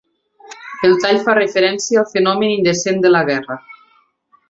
El tall fa referència al fenomen indecent de la guerra.